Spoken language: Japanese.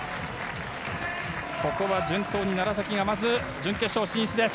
ここは順当に楢崎がまず準決勝進出です。